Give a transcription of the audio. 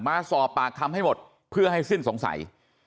มาสอบปากคำให้หมดเพื่อให้สิ้นสงสัย